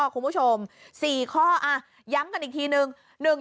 คุณผู้ชม๔ข้อย้ำกันอีกทีนึง